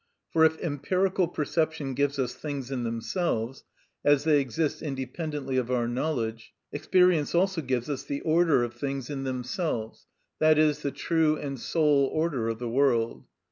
For if empirical perception gives us things in themselves, as they exist independently of our knowledge, experience also gives us the order of things in themselves, i.e., the true and sole order of the world.